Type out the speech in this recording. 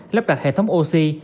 lắp đặt hệ thống oxy